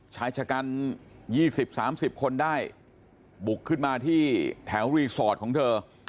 ชายชะกัน๒๐๓๐คนได้บุกขึ้นมาที่แถวรีสอร์ทของเธอ